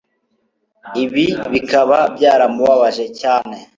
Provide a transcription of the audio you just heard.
ibi bikaba byaramubabaje cyane